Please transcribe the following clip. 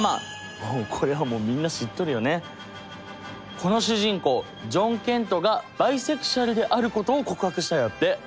この主人公ジョン・ケントがバイセクシュアルであることを告白したんやって。